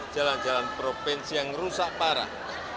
jalan jalan provinsi yang rusak parah